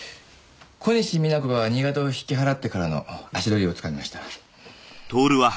小西皆子が新潟を引き払ってからの足取りをつかみました。